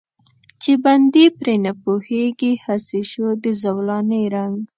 چې بندي پرې نه پوهېږي، هسې شو د زولانې رنګ.